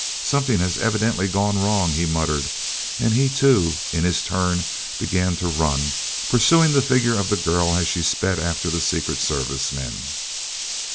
"Something has evidently gone wrong," he muttered, and he, too, in his turn began to run, pursuing the figure of the girl as she sped after the Secret Service men.